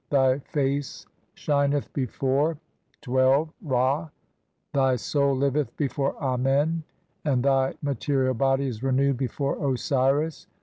Thy face shineth before (12) "Ra, thy soul liveth before Amen, and thy material "body is renewed before Osiris.